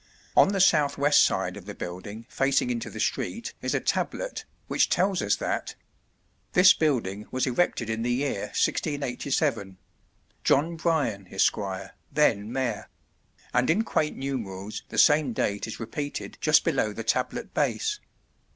On the south west side of the building facing into the street is a tablet, which tells us that "This building was erected in the year 1687. John Bryan, Esquire, then Mayor"; and in quaint numerals the same date is repeated just below the tablet base.